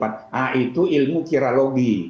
nah itu ilmu kiralogi